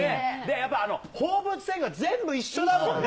やっぱ放物線が全部一緒だもんね。